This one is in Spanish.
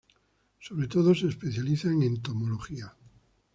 Sobre todo se especializa en entomología.